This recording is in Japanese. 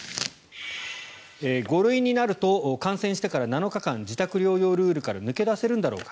５類になると感染してから７日間自宅療養ルールから抜け出せるんだろうか。